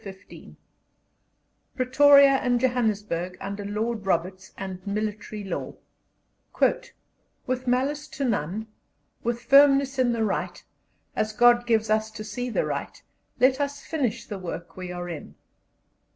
CHAPTER XV PRETORIA AND JOHANNESBURG UNDER LORD ROBERTS AND MILITARY LAW "With malice to none ... with firmness in the right, as God gives us to see the right, let us finish the work we are in."